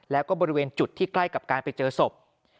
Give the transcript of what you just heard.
แล้วก็บริเวณจุดที่ใกล้กับการไปเจอศพ